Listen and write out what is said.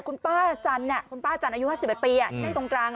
คุณป้าจันเนี่ยคุณป้าจันอายุ๕๐ปีนั่งตรงกลาง